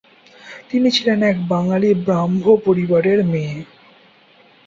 তিনি ছিলেন এক বাঙালী ব্রাহ্ম পরিবারের মেয়ে।